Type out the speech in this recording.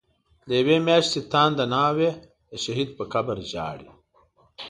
دیوی میاشتی تانده ناوی، د شهید په قبر ژاړی